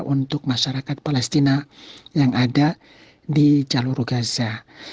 untuk masyarakat palestina yang ada di jalur gaza